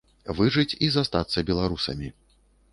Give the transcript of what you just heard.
Выжыць і застацца беларусамі.